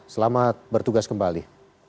selamat bertugas kembali